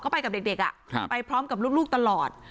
ก็ไปกับเด็กเด็กอ่ะครับไปพร้อมกับลูกลูกตลอด